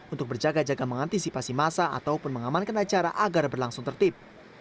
untuk berjaga jaga mengantisipasi masa ataupun mengamankan acara agar berlangsung tertib